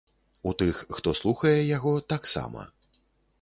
У тых, хто слухае яго, таксама.